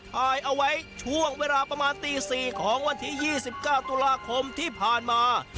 ถ่ายเอาไว้ช่วงเวลาประมาณตี๔ของวันที่๒๙ตุลาคมที่ผ่านมา